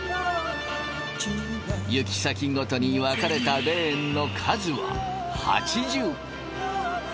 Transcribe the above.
行き先ごとに分かれたレーンの数は８０。